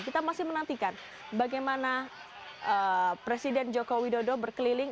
kita masih menantikan bagaimana presiden joko widodo berkeliling